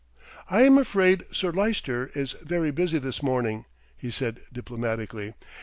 "I am afraid Sir Lyster is very busy this morning," he said, diplomatically.